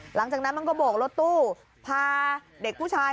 หลังจากนั้นมันก็โบกรถตู้พาเด็กผู้ชาย